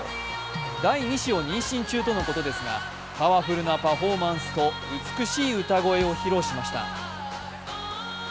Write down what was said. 第２子を妊娠中とのことですが、パワフルなパフォーマンスと美しい歌声を披露しました。